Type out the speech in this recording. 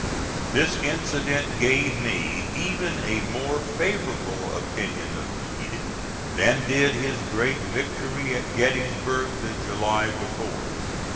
This incident gave me even a more favorable opinion of Meade than did his great victory at Gettysburg the July before.